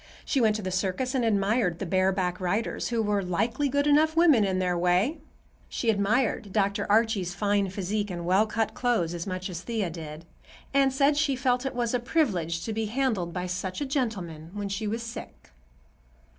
She went to the circus and admired the bareback riders, who were "likely good enough women in their way." She admired Dr. Archie's fine physique and well cut clothes as much as Thea did, and said she "felt it was a privilege to be handled by such a gentleman when she was sick."